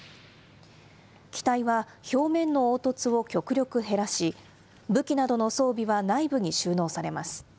機体は、表面の凹凸を極力減らし、武器などの装備は内部に収納されます。